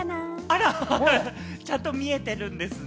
あら、ちゃんと見えてるんですね。